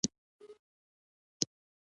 د چايو سور يې وکړ.